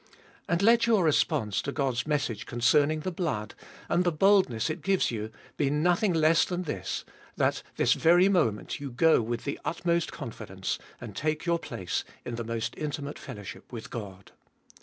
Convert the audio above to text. And let your response to God's message 360 abe Dolfest of concerning the blood, and the boldness it gives you be nothing less than this, that this very moment you go with the utmost confidence, and take your place in the most intimate fellowship with God.